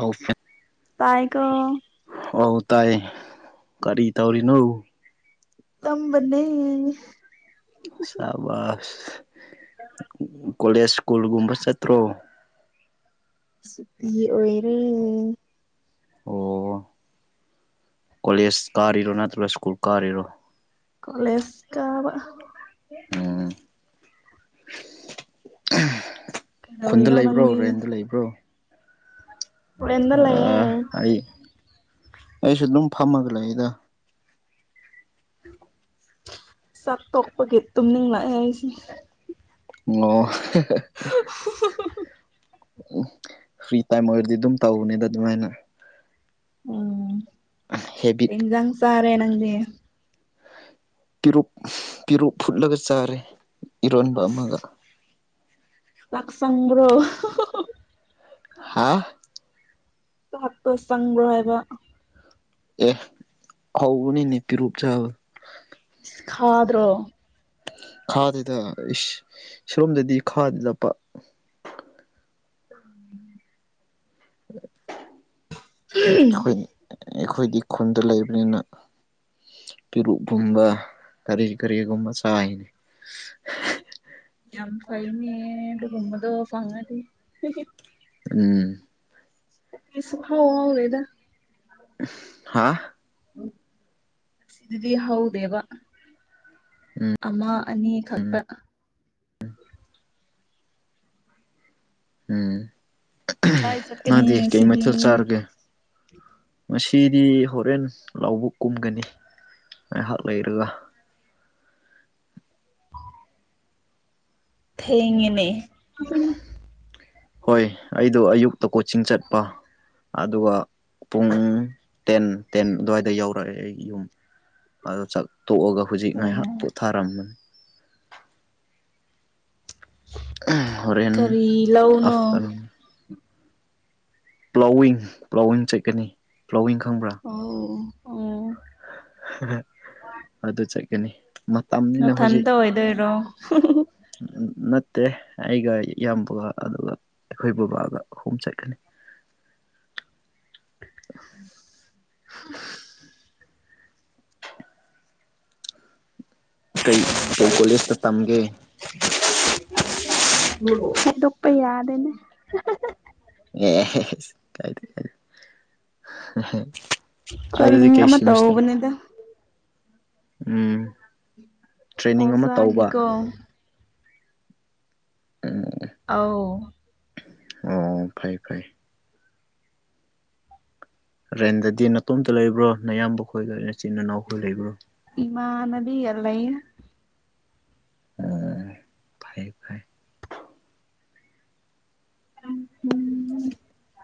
ꯑꯧ ꯇꯥꯏ ꯀꯣ ꯇꯥꯏ ꯀꯔꯤ ꯇꯧꯔꯤꯅꯣ ꯇꯝꯕꯅꯤ ꯁꯥꯕꯥꯁ ꯀꯣꯂꯦꯖ ꯁ꯭ꯀꯨꯜꯒꯨꯝꯕ ꯆꯠꯇ꯭ꯔꯣ ꯄꯤ ꯑꯣꯏꯔꯦ ꯑꯣ ꯀꯣꯂꯦꯖ ꯀꯥꯔꯤꯔꯣ ꯅꯠꯇ꯭ꯔꯒ ꯁ꯭ꯀꯨꯜ ꯀꯥꯔꯤꯔꯣ ꯀꯂꯦꯖ ꯀꯕ ꯎꯝ ꯈꯨꯟꯗ ꯀꯩꯗꯧꯔꯤꯅꯣ ꯂꯩꯕ꯭ꯔꯣ ꯅꯪꯗꯤ ꯔꯦꯟꯗ ꯂꯩꯕ꯭ꯔꯣ ꯑꯦꯟꯅ ꯑꯥ ꯂꯩꯌꯦꯦ ꯑꯩ ꯑꯩꯁꯨ ꯑꯗꯨꯝ ꯐꯝꯃꯒ ꯂꯩꯗ ꯆꯥꯛ ꯇꯣꯛꯄꯒꯤ ꯇꯨꯝꯅꯤꯡ ꯂꯛꯑꯦ ꯍꯥꯏꯁꯦ ꯑꯣ ꯎꯝ ꯐ꯭ꯔꯤ ꯇꯥꯏꯝ ꯑꯣꯏꯔꯗꯤ ꯑꯗꯨꯝ ꯇꯧꯕꯅꯤꯗ ꯑꯗꯨꯃꯥꯏꯅ ꯎꯝ ꯍꯦꯕꯤꯠ ꯏꯗꯥꯡ ꯁꯔꯦ ꯅꯪꯗꯤꯦ ꯄꯦꯔꯛ ꯄꯦꯔꯨꯛ ꯐꯨꯠꯂꯒ ꯆꯥꯔꯦ ꯏꯔꯣꯟꯕ ꯑꯃꯒ ꯆꯛꯁꯒ꯭ꯔꯣ ꯍꯥ ꯆꯠꯄ ꯆꯪꯕ꯭ꯔꯣ ꯍꯥꯏꯕ ꯑꯦ ꯍꯅꯤꯅꯦ ꯄꯤꯔꯨꯕ ꯆꯕ ꯈꯥꯗ꯭ꯔꯣ ꯈꯥꯗꯨꯗ ꯁꯔꯣꯝꯗꯗꯤ ꯈꯥꯗ ꯂꯞꯄ ꯎꯝ ꯈꯣꯏꯅꯤ ꯑꯩꯈꯣꯏꯗꯤ ꯈꯨꯟꯗ ꯂꯩꯕꯅꯤꯅ ꯄꯤꯔꯨꯛꯀꯨꯝꯕ ꯀꯔꯤ ꯀꯔꯤꯒꯨꯝꯕ ꯆꯥꯏ ꯌꯥꯝ ꯐꯩꯅꯤ ꯀꯨꯝꯃꯗꯣ ꯐꯉ ꯎꯝ ꯁꯨ ꯍꯥꯎ ꯍꯥꯎꯅꯦ ꯏꯗ ꯍꯥꯥ ꯑꯁꯤꯗꯗꯤ ꯍꯧꯗꯦꯕ ꯑꯃ ꯑꯅꯤ ꯈꯛꯄ ꯎꯝ ꯀꯗꯥꯏ ꯆꯠꯀꯅꯤ ꯅꯪꯗꯤ ꯀꯩ ꯉꯁꯤꯗꯤ ꯃꯩꯊꯦꯜ ꯆꯥꯔꯒꯦ ꯃꯁꯤ ꯆꯤꯗꯤ ꯍꯣꯔꯦꯟ ꯂꯥꯎꯕ ꯀꯨꯝꯒꯅꯤ ꯉꯥꯏꯍꯥꯛ ꯂꯩꯔꯒ ꯎꯝ [inaudible] ꯊꯦꯡꯉꯅꯦ ꯍꯣꯏ ꯑꯩꯗꯣ ꯑꯌꯨꯛꯇ ꯀꯣꯆꯤꯡ ꯆꯠꯄ ꯑꯗꯨꯒ ꯄꯨꯡ ꯇꯦꯟ ꯇꯦꯟ ꯑꯗꯨꯋꯥꯏꯗ ꯌꯧꯔꯛꯑꯦ ꯑꯩ ꯌꯨꯝ ꯑꯗꯨ ꯆꯥꯛꯊꯣꯛꯑꯒ ꯍꯧꯖꯤꯛ ꯉꯥꯏꯍꯥꯛ ꯑꯣ ꯄꯣꯊꯥꯔꯝꯕꯅꯤ ꯍꯣꯔꯦꯟ ꯀꯔꯤ ꯂꯧꯅꯣ ꯑꯁꯇꯔ ꯄ꯭ꯂꯥꯎꯋꯤꯡ ꯄ꯭ꯂꯥꯎꯋꯤꯡ ꯆꯠꯀꯅꯤ ꯄ꯭ꯂꯥꯎꯋꯤꯡ ꯈꯪꯕ꯭ꯔꯥ ꯑꯣ ꯑꯣ ꯑꯗꯨ ꯑꯗꯨ ꯆꯒꯅꯤ ꯃꯇꯝꯅꯤꯅ ꯍꯧꯖꯤꯛ ꯅꯊꯟꯇ ꯑꯣꯏꯗꯣꯏꯔꯣ ꯅꯠꯇꯦ ꯑꯩꯒ ꯏꯌꯥꯝꯕꯒ ꯑꯗꯨꯒ ꯑꯩꯈꯣꯏ ꯕꯕꯥꯒ ꯑꯍꯨꯝ ꯆꯠꯀꯅꯤ ꯎꯟ [inaudible] ꯍꯨꯝ [inaudible] ꯀꯩ ꯀꯩ ꯀꯣꯂꯦꯖꯇ ꯇꯝꯒꯦ ꯊꯩꯗꯣꯛꯄ ꯌꯥꯗꯅꯦ ꯑꯦ ꯀꯥꯏꯗ ꯀꯥꯏ ꯑꯗꯨꯗꯤ ꯇ꯭ꯔꯦꯅꯤꯡ ꯑꯃ ꯀꯩꯁꯤꯃꯤꯇꯔ ꯇꯧꯕꯅꯤꯗ ꯎ ꯇ꯭ꯔꯦꯅꯤꯡ ꯑꯃ ꯇꯧꯕ ꯑꯣꯖꯥꯒꯤꯀꯣ ꯑꯥꯎ ꯑꯣ ꯐꯩ ꯐꯩ ꯔꯦꯟꯗꯗꯤ ꯅꯇꯣꯝꯇ ꯂꯩꯕ꯭ꯔꯣ ꯅꯌꯥꯝꯕ ꯈꯣꯏꯗꯅ ꯆꯤꯟꯅꯅꯥꯎꯈ ꯂꯩꯕ꯭ꯔꯣ ꯏꯃꯥꯟꯅꯕꯤꯒ ꯂꯩ ꯎ ꯐꯩ ꯐꯩ ꯎꯝ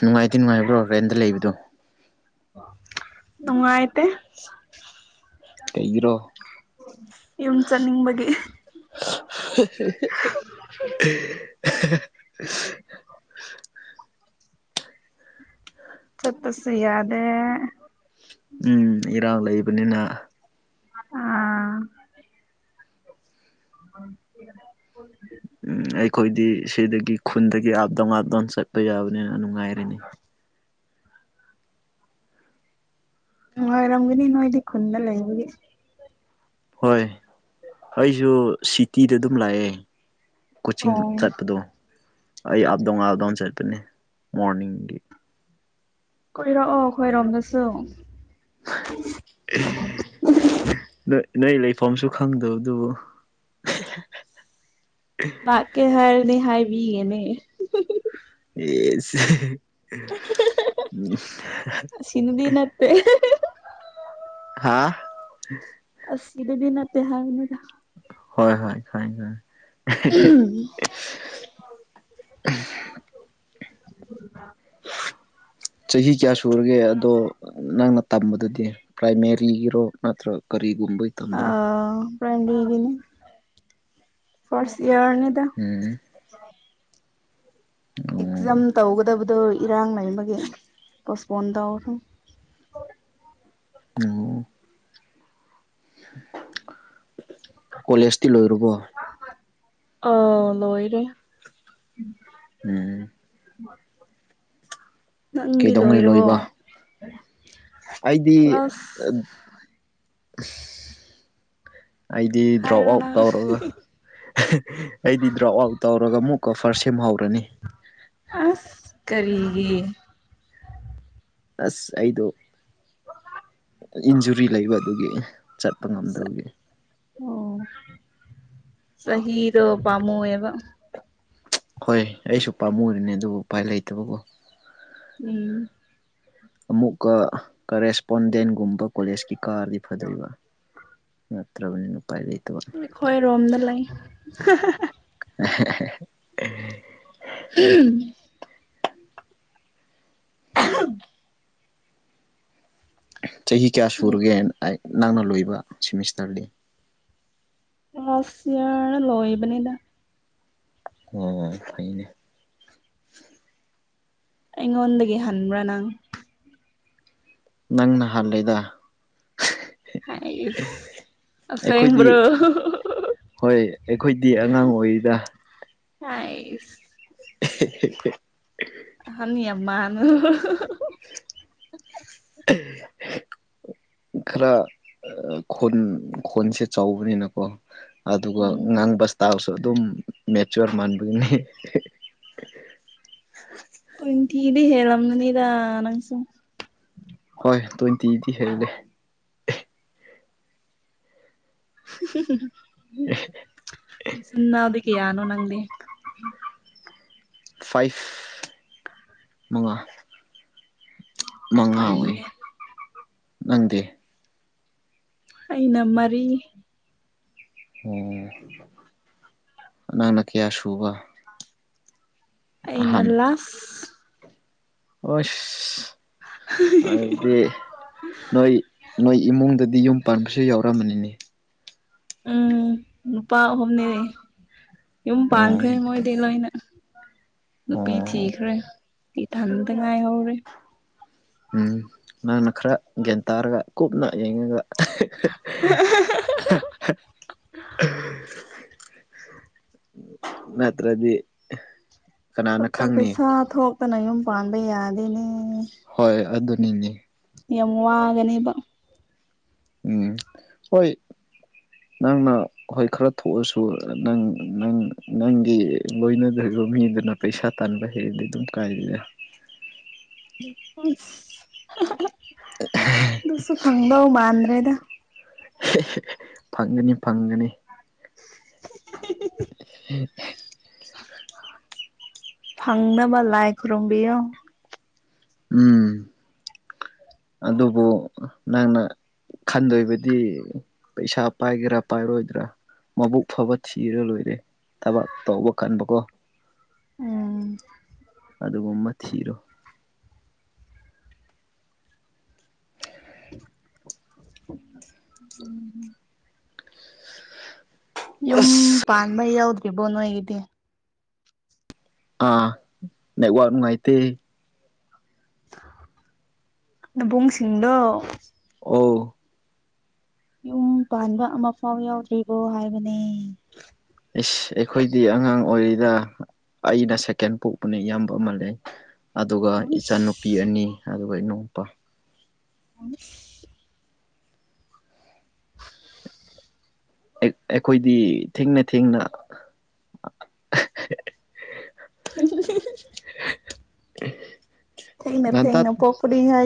ꯅꯨꯡꯉꯥꯏꯇ ꯅꯨꯡꯉꯥꯏꯕ꯭ꯔꯣ ꯔꯦꯟꯗ ꯂꯩꯕꯗꯣ ꯅꯨꯡꯉꯥꯏꯇꯦ ꯀꯩꯒꯤꯔꯣ ꯌꯨꯝ ꯆꯠ ꯅꯤꯡꯕꯒꯤ ꯍꯦꯍꯑꯍꯥ [inaudible] ꯍ ꯍꯥꯍꯥ [inaudible] ꯆꯠꯇꯁꯨꯌꯥꯗꯦ ꯎꯝ ꯏꯔꯥꯡ ꯂꯩꯕꯅꯤꯅ ꯑꯥ ꯑ [unintelligible] ꯎꯝ ꯑꯩꯈꯣꯏꯗꯤ ꯁꯤꯗꯒꯤ ꯈꯨꯟꯗꯒꯤ ꯑꯥꯞꯇꯪ ꯋꯥꯥꯞꯇꯅ ꯆꯠꯄ ꯌꯥꯕꯅꯤꯅ ꯅꯨꯡꯉꯥꯏꯔꯅꯦ ꯑꯔꯝꯒꯅꯤ ꯅꯣꯏꯗꯤ ꯈꯨꯟꯗ ꯂꯩꯕꯒꯤ ꯍꯣꯏ ꯑꯩꯁꯨ ꯁꯤꯇꯤꯗ ꯑꯗꯨꯝ ꯂꯥꯛꯑꯦ ꯀꯣꯆꯤꯡ ꯑꯣ ꯆꯠꯄꯗꯣ ꯑꯩ ꯑꯞꯗꯣꯉꯥꯜꯗꯥꯎꯟ ꯆꯠꯄꯅꯦ ꯃꯣꯔꯅꯤꯡꯒꯤ ꯀꯨꯏꯔꯛꯑꯣ ꯈꯣꯏꯔꯣꯝꯗꯁꯨ ꯅꯣꯏ ꯅꯣꯏ ꯂꯩꯐꯝꯁꯨ ꯈꯪꯗꯧ ꯑꯗꯨꯕꯨ ꯂꯥꯛꯀꯦ ꯍꯥꯏꯔꯅꯦ ꯍꯥꯏꯕꯤꯒꯅꯦ ꯑꯦꯁ ꯑꯁꯤꯅꯗꯤ ꯅꯠꯇꯦ ꯍꯥꯥ ꯑꯗꯗꯤ ꯅꯠꯇ ꯍꯥꯏꯗ ꯍꯣꯏ ꯍꯣꯏ ꯈꯪꯑꯦ ꯈꯪꯑꯦ [unintelligible] ꯆꯍꯤ ꯀꯌꯥ ꯁꯨꯔꯒꯦ ꯑꯗꯣ ꯅꯪꯅ ꯇꯝꯕꯗꯨꯗꯤ ꯄ꯭ꯔꯥꯏꯃꯔꯤꯒꯤꯔꯣ ꯅꯠꯇ꯭ꯔꯒ ꯀꯔꯤꯒꯨꯝꯕꯩ ꯇꯝꯕꯔꯣ ꯥꯏꯔꯤꯒꯤꯅꯤ ꯐꯔꯁ ꯏꯌꯥꯔꯅꯤꯗ ꯎꯝ ꯑꯣ ꯑꯦꯛꯖꯝ ꯇꯧꯒꯗ ꯑ ꯏꯔꯥꯡ ꯂꯩꯕꯒꯤ ꯄꯣꯁꯄꯣꯟ ꯇꯧꯔꯦ ꯑꯣ ꯀꯣꯂꯦꯖꯇꯤ ꯂꯣꯏꯔꯕꯣ ꯑꯥ ꯂꯣꯏꯔꯦ ꯎꯝ [inaudible] ꯀꯩꯗꯧꯉꯩ ꯂꯣꯏꯔꯕꯣ ꯂꯣꯏꯕ ꯑꯩꯗꯤ ꯑꯁ ꯑꯩꯗꯤ ꯗ꯭ꯔꯣꯞ ꯍꯥꯏꯔꯣ ꯑꯥꯎꯠ ꯅꯪ ꯇꯧꯔꯒ ꯑꯩꯗꯤ ꯗ꯭ꯔꯣꯞ ꯑꯥꯎꯠ ꯇꯧꯔꯒ ꯃꯨꯛꯀꯐꯔ ꯁꯦꯝꯍꯧꯔꯅꯤ ꯑꯁ ꯀꯔꯤꯒꯤ ꯑꯁ ꯑꯩꯗꯣ ꯏꯟꯖꯨꯔꯤ ꯂꯩꯕꯗꯨꯒꯤ ꯆꯠ ꯠꯄ ꯉꯝꯗꯕꯒꯤ ꯑꯣ ꯁꯍꯤꯔꯣ ꯄꯃꯨ ꯑꯦꯕ ꯍꯣꯏ ꯑꯩꯁꯨ ꯄꯥꯝꯃꯨꯔꯤꯅꯦ ꯑꯗꯨꯕꯨ ꯎꯄꯥꯏ ꯂꯩꯇꯕꯀꯣ ꯎꯝ ꯑꯃꯨꯛꯀ ꯀꯔꯦꯁꯄꯣꯟꯗꯦꯟꯒꯨꯝꯕ ꯀꯣꯂꯦꯖꯀꯤ ꯀꯥꯔꯗꯤ ꯐꯗꯣꯏꯔꯤꯕ ꯅꯤ ꯑꯩꯈꯣꯏꯔꯣꯝꯗ ꯂꯩ [unintelligible] ꯎꯝ [inaudible] ꯆꯍꯤ ꯀꯌꯥ ꯁꯨꯔꯒꯦꯅ ꯅꯪꯅ ꯂꯣꯏꯕ ꯁꯤꯦꯃꯤꯁꯇꯔꯗꯤ ꯑꯁꯤ ꯌꯥꯅ ꯂꯣꯣꯏꯕꯅꯤꯗ ꯑꯣ ꯐꯅꯦ ꯑꯩꯉꯣꯟꯗꯒꯤ ꯍꯟꯕ꯭ꯔꯥ ꯅꯪ ꯅꯪ ꯅꯍꯥꯟꯂꯗ ꯍ ꯏꯁ ꯑꯁ ꯑꯩꯈꯣꯏꯗꯤ ꯍꯡ꯭ꯔꯣ ꯍꯣꯏ ꯑꯩꯈꯣꯏꯗꯤ ꯑꯉꯥꯡ ꯑꯣꯏꯔꯤꯗ ꯍꯥꯏ [inaudible] ꯃꯥꯟ ꯑꯦ ꯈꯔ ꯈꯣꯟ ꯈꯣꯟꯁꯦ ꯆꯥꯎꯕꯅꯤꯅꯀꯣ ꯑꯗꯨꯒ ꯎꯝ ꯉꯥꯡꯕꯁꯇꯥꯁꯨ ꯑꯗꯨꯝ ꯃꯦ ꯆ ꯃꯥꯟꯕꯨꯒꯅꯤ ꯏꯟꯇꯤꯗꯤ ꯍꯝꯅꯤꯗ ꯅꯪꯁꯨ ꯍꯣꯏ ꯇ꯭ꯋꯦꯟꯇꯤꯗꯤ ꯍꯦꯜꯂꯦ ꯅꯥꯕꯤ ꯀꯌꯥꯅ ꯑꯣꯅ ꯈꯪꯗꯦ ꯐꯥꯏꯚ ꯃꯉꯥ ꯃꯉꯥ ꯑꯣꯏ ꯐꯩꯅꯦ ꯅꯪꯗꯦ ꯑꯩꯅ ꯃꯔꯤ ꯑꯣ ꯅꯉꯪꯅ ꯀꯌꯥ ꯁꯨꯕ ꯑꯩꯅ ꯂ ꯑꯣꯁ [inaudible] ꯅꯣꯏ ꯅꯣꯏ ꯏꯃꯨꯡꯗꯗꯤ ꯌꯨꯝ ꯄꯥꯟꯕꯁꯨ ꯌꯥꯎꯔꯝꯃꯅꯤꯅꯦ ꯎꯝ ꯅꯨꯨꯄꯥ ꯑꯍꯨꯝꯅꯤ ꯌꯨꯝ ꯎꯝ ꯄꯥꯟꯈ꯭ꯔꯦ ꯃꯣꯏꯗꯤ ꯂꯣꯏꯅ ꯅꯨꯄꯤ ꯑꯣ ꯊꯤꯈ꯭ꯔꯦ ꯏ ꯊꯍꯟꯗ ꯉꯥꯏꯍꯧꯔꯦ ꯅꯪꯅ ꯈꯔ ꯒ꯭ꯌꯥꯟ ꯇꯥꯔꯒ ꯀꯨꯞꯅ ꯌꯦꯡꯉꯒ [inaudible] ꯅꯠꯇ꯭ꯔꯗꯤ ꯀꯅꯥꯅ ꯈꯨꯠꯇ ꯈꯪꯅꯤ ꯄꯩꯁꯥ ꯊꯣꯛꯇꯅ ꯌꯨꯝ ꯄꯥꯟꯕ ꯌꯥꯗꯦꯅꯦ ꯍꯣꯏ ꯑꯗꯨꯅꯤꯅꯦ ꯌꯥꯝ ꯋꯥꯒꯅꯦꯕ ꯎꯝ ꯍꯣꯏ ꯅꯪꯅ ꯍꯣꯏ ꯈꯔ ꯊꯣꯛꯑꯁꯨ ꯅꯪ ꯅꯪ ꯅꯪꯒꯤ ꯂꯣꯏꯅꯗ ꯑꯗꯨꯒ ꯃꯤꯗꯨꯅ ꯄꯩꯁꯥ ꯇꯥꯟꯕ ꯍꯩꯗꯤ ꯑꯗꯨꯝ ꯀꯥꯏꯗꯅ ꯑꯗꯨꯁꯨ ꯐꯪꯕ ꯃꯥꯟꯗ꯭ꯔꯦꯗ ꯐꯪꯒꯅꯤ ꯐꯪꯒꯅꯤ [inaudible] ꯐꯪꯅꯕ ꯂꯥꯏ ꯈꯨꯔꯣꯝꯕꯤꯌꯣ ꯎꯝ ꯑꯗꯨꯕꯨ ꯅꯪꯅ ꯈꯟꯗꯣꯏꯕꯗꯤ ꯄꯩꯁꯥ ꯄꯥꯏꯒꯦꯔꯥ ꯄꯥꯏꯔꯣꯏꯗ꯭ꯔꯥ ꯃꯕꯨꯛ ꯐꯕ ꯊꯤꯔ ꯂꯣꯏꯔꯦ ꯊꯕꯛ ꯇꯧꯕ ꯀꯟꯕꯀꯣ ꯎꯝ ꯑꯗꯨꯒꯨꯝꯕ ꯊꯤꯔꯣ ꯎꯝ ꯌꯨꯝ ꯑꯁ ꯄꯥꯟꯕ ꯌꯥꯎꯗ꯭ꯔꯤꯕꯣ ꯅꯣꯏꯒꯤꯗꯤ ꯑꯥ ꯅ ꯋꯥꯥꯛ ꯅꯨꯡꯉꯥꯏꯇ ꯅꯕꯨꯡꯁꯤꯡꯗꯣ ꯑꯣ ꯌꯨꯝ ꯄꯥꯟꯕ ꯑꯃ ꯐꯥꯎ ꯌꯥꯎꯗ꯭ꯔꯤꯕꯣ ꯍꯥꯏꯕꯅꯦ ꯏꯁ ꯑꯩꯈꯣꯏꯗꯤ ꯑꯉꯥꯡ ꯑꯣꯏꯔꯤꯔ ꯑꯩꯅ ꯁꯦꯀꯦꯟ ꯄꯣꯛꯄꯅ ꯏꯌꯥꯝꯕ ꯑꯃ ꯂꯩ ꯑꯗꯨꯒ ꯏꯆꯥꯟꯅꯨꯄꯤ ꯑꯅꯤ ꯑꯗꯨꯒ ꯏꯅꯥꯎꯄꯥ ꯑ ꯑꯩꯈꯣꯏꯗꯤ ꯊꯦꯡꯅ ꯊꯦꯡꯅ [inaudible] ꯑꯦ ꯊꯩꯅꯦ ꯊꯩꯅꯦ ꯄꯣꯄꯂꯤ ꯌꯥ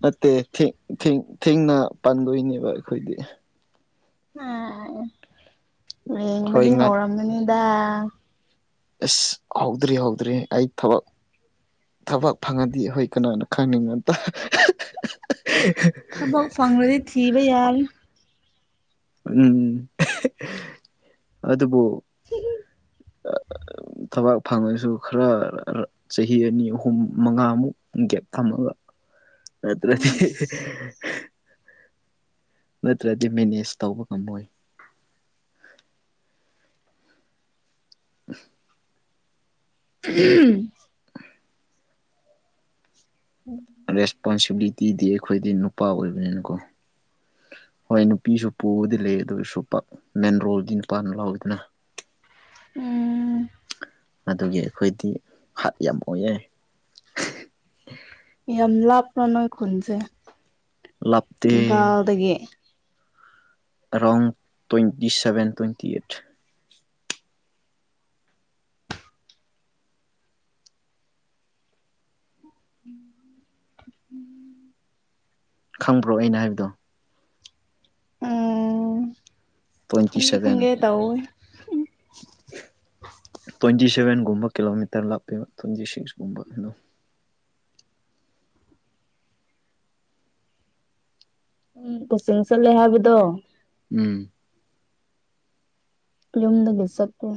ꯅꯠꯇꯦ ꯊꯦꯡꯅ ꯄꯥꯟꯗꯣꯏꯅꯦꯕ ꯑꯩꯈꯣꯏꯗꯤ ꯎ ꯍꯣꯏ ꯂꯡꯕꯗꯤ ꯉꯥ ꯍꯧꯔꯝꯃꯤꯅꯤꯗ ꯑꯁ ꯍꯥꯎꯗ꯭ꯔꯤ ꯍꯥꯎꯗ꯭ꯔꯤ ꯑ ꯊꯕꯛ ꯊꯕꯛ ꯐꯪꯉꯗꯤ ꯑꯩꯈꯣꯏ ꯀꯅꯥꯅ ꯈꯪꯅꯤꯡꯉꯇꯥꯦ ꯊꯕꯛ ꯐꯪꯕꯗꯤ ꯊꯤꯕ ꯌꯥꯔꯦ ꯎꯝ ꯑꯗꯨꯗꯕꯨꯣ ꯍ ꯑ ꯊꯕꯥꯛ ꯐꯪꯉꯁꯨ ꯈꯔ ꯆꯍꯤ ꯑꯅꯤ ꯑꯍꯨꯝ ꯃꯉꯥꯃꯨꯛ ꯒꯦꯞ ꯊꯝꯃꯒ ꯑꯠꯇ꯭ꯔꯗꯤ ꯎꯝ ꯅꯠꯇ꯭ꯔꯗꯤ ꯃꯦꯅꯦꯖ ꯇꯧꯕ ꯉꯝꯃꯣꯏ ꯎ ꯎꯝ ꯔꯦꯁꯄꯣꯟꯁꯤꯕꯤꯂꯤꯇꯤꯗꯤ ꯑꯩꯈꯣꯏꯗꯤ ꯅꯨꯄꯥ ꯑꯣꯏꯕꯅꯤꯅꯀꯣ ꯍꯣꯏ ꯅꯨꯄꯤꯁꯨ ꯄꯨꯕꯗꯤ ꯂꯩ ꯑꯗꯨꯁꯨ ꯃꯦꯟ ꯔꯣꯜꯗꯤ ꯅꯨꯄꯥꯅ ꯂꯥꯎꯏꯤꯗꯅ [inaudible] ꯎꯝ ꯑꯗꯨꯒꯤ ꯑꯩꯈꯣꯏꯗꯤ ꯍꯥꯠ ꯌꯥꯝ ꯑꯣꯏꯑ ꯌꯥꯝ ꯂꯥꯞꯄ꯭ꯔꯣ ꯅꯣꯏ ꯈꯨꯟꯁꯦ ꯂꯥꯞꯇꯦ ꯏꯝꯐꯥꯜꯗꯒꯤ ꯔꯣꯡ ꯇ꯭ꯋꯦꯟꯇꯤ ꯁꯚꯦꯟ ꯇ꯭ꯋꯦꯟꯇꯤ ꯑꯩꯠ ꯎꯝ ꯈꯪꯕ꯭ꯔꯣ ꯑꯩꯅ ꯍꯥꯏꯕꯗꯣ ꯑꯣ ꯇ꯭ꯋꯦꯟꯇꯤꯚꯦꯟ ꯇ꯭ꯋꯦꯟꯇꯤꯚꯦꯟ ꯒꯨꯝꯕ ꯀꯤꯂꯣꯃꯤꯇꯔ ꯂꯥꯛꯄꯤꯕ ꯊꯁꯤꯡꯁꯒꯨꯝꯕ ꯑꯗꯨꯣ ꯎꯝ ꯀꯁꯤꯡꯤꯡꯁꯂꯦ ꯍꯥꯏꯕꯗꯣ ꯎꯝ ꯌꯨꯝꯗ ꯁꯛꯄ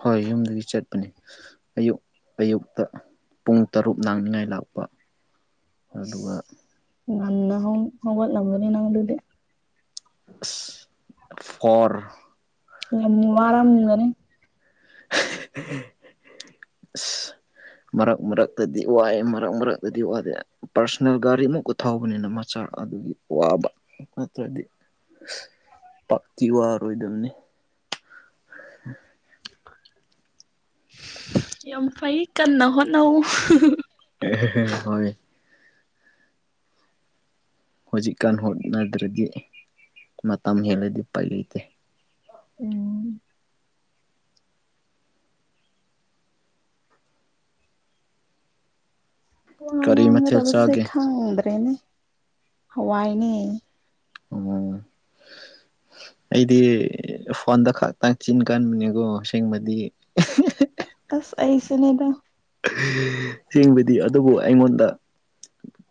ꯍꯣꯏ ꯌꯨꯝꯗꯒꯤ ꯆꯠꯄꯅꯦ ꯑꯌꯨꯛ ꯑꯌꯨꯛꯇ ꯄꯨꯡ ꯇꯔꯨꯛ ꯂꯥꯡꯅꯤꯡꯉꯥꯏ ꯂꯥꯛꯄ ꯑꯗꯨꯒ ꯉꯟꯅ ꯍ ꯍꯒꯠ ꯂꯒꯅꯤ ꯅꯪ ꯑꯗꯨꯗꯤ ꯐꯔ ꯋꯥꯔꯝꯗꯅꯤ [inaudible] ꯃꯔꯛ ꯃꯔꯛꯇꯗꯤ ꯋꯥꯏ ꯃꯔꯛ ꯃꯔꯛꯇꯗꯤ ꯋꯥꯗꯦ ꯄꯥꯔꯁꯣꯅꯦꯜ ꯒꯥꯔꯤ ꯑꯃꯨꯛꯀ ꯊꯧꯕꯅꯤꯅ ꯃꯆꯥ ꯆꯥꯛ ꯑꯗꯨꯒꯤ ꯋꯥꯕ ꯅꯠꯇ꯭ꯔꯗꯤ ꯄꯥꯛꯇꯤ ꯋꯥꯔꯣꯏꯗꯗꯝꯅꯤ ꯌꯥꯝ ꯐꯩ ꯀꯟꯅ ꯍꯣ ꯅꯎ ꯍꯣꯏ ꯍꯧꯖꯤꯛꯀꯥꯟ ꯍꯣꯠꯅꯗꯔꯗꯒꯤ ꯃꯇꯝ ꯇꯝ ꯍꯦꯜꯂ ꯂꯩꯗꯤ ꯄꯥꯏ ꯂꯩꯇ ꯎꯝ ꯋꯥꯉ ꯀꯔꯤ ꯃꯊꯦꯜ ꯋꯥꯡꯒꯗꯕꯁꯦ ꯆꯥꯒꯦ ꯈꯥꯡꯗ꯭ꯔꯦꯅꯦ ꯍꯋꯥꯏꯅꯦ ꯑꯣ ꯑꯩꯗꯤ ꯐꯣꯟꯗ ꯈꯛꯇꯪ ꯆꯤꯟ ꯀꯟꯕꯅꯦꯀꯣ ꯑꯁꯦꯡꯕꯗꯤ ꯑꯁ ꯑꯩꯁꯨꯅꯦꯗ ꯌꯦꯡꯕꯗꯤ ꯑꯗꯨꯕꯨ ꯑꯩꯉꯣꯟꯗ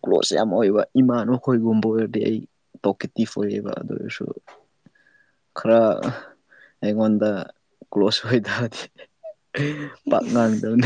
ꯀ꯭ꯂꯣꯁ ꯌꯥꯝ ꯑꯣꯏꯕ ꯏꯃꯥꯅꯈꯣꯏꯒꯨꯝꯕ ꯑꯣꯏꯔꯗꯤ ꯑꯩ ꯇꯣꯀꯤꯦꯇꯤ ꯐ ꯑꯣꯏꯌꯦꯕ ꯑꯗꯨ ꯑꯣꯏꯔꯁꯨ ꯈꯔ ꯑꯩꯉꯣꯟꯗ ꯀ꯭ꯂꯣꯁ ꯑꯣꯏꯇꯥꯕꯗꯤ ꯄꯥꯛ ꯏꯁ ꯉꯥꯡꯗꯕꯅꯤ